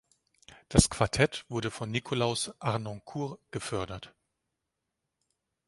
Das Quartett wurde von Nikolaus Harnoncourt gefördert.